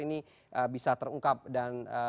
ini bisa terungkap dan